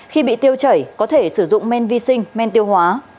khi bị tiêu chảy có thể sử dụng men vi sinh men tiêu hóa